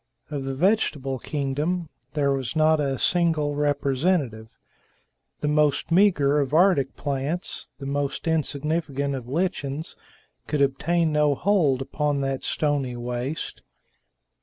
Of the vegetable kingdom, there was not a single representative; the most meager of Arctic plants, the most insignificant of lichens, could obtain no hold upon that stony waste.